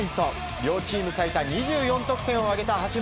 両チーム最多２４得点を挙げた八村。